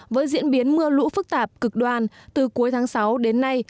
với diễn biến mưa lũ phức tạp cực đoan từ cuối tháng sáu đến nay